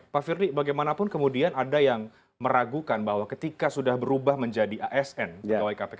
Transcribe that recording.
pak firly bagaimanapun kemudian ada yang meragukan bahwa ketika sudah berubah menjadi asn pegawai kpk